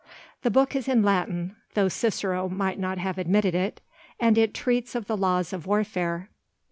The book is in Latin—though Cicero might not have admitted it—and it treats of the laws of warfare.